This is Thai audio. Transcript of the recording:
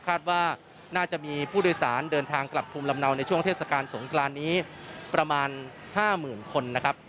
คาดว่าน่าจะมีผู้โดยสารเดินทางกลับภูมิลำเนาในช่วงเทศกาลสงกรานนี้ประมาณ๕๐๐๐คนนะครับ